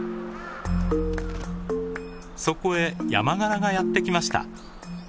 そこへヤマガラがやって来ました。